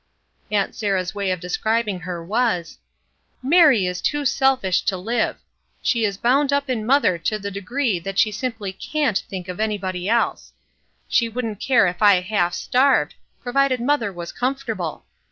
Aunt Sarah's way of describing her was:— " Mary is too selfish to hve ! She is bound up in mother to the degree that she simply can't think of anybody else. She wouldn't care if I half starved, provided mother was comfortable.